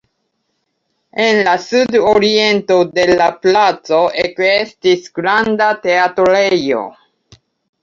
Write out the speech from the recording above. En la sudoriento de la placo ekestis granda teatrejo.